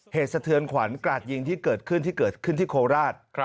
สะเทือนขวัญกราดยิงที่เกิดขึ้นที่เกิดขึ้นที่โคราช